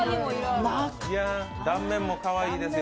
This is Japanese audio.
断面もかわいいですね。